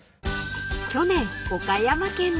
［去年岡山県で］